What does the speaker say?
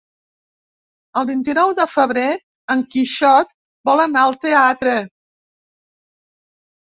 El vint-i-nou de febrer en Quixot vol anar al teatre.